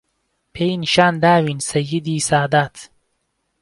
پێی نیشان داوین سەییدی سادات